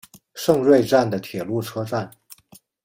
胜瑞站的铁路车站。